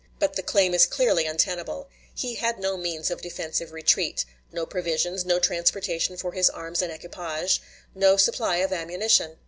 But the claim is clearly untenable. He had no means of defensive retreat no provisions, no transportation for his arms and equipage, no supply of ammunition.